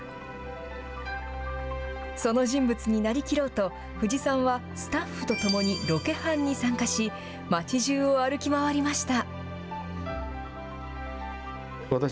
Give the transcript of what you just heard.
その人物になりきろうと、藤さんはスタッフと共にロケハンに参加し、町じゅうを歩き回りました。